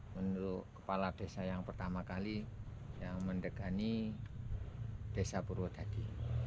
menurut kepala desa yang pertama kali yang mendegani desa purwodadi